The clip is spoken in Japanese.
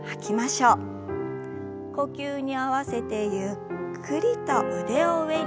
呼吸に合わせてゆっくりと腕を上に。